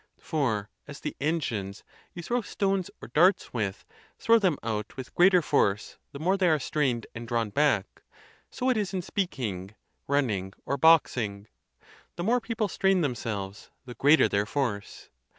For, as the engines you throw stones or darts with throw them out with the greater force the more they are strained and drawn back; so it is in speaking, run ning, or boxing —the more people strain themselves, the greater their force.